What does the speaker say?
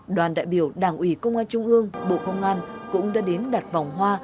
đoàn đại biểu đảng ủy công an trung ương bộ công an cũng đã đến đặt vòng hoa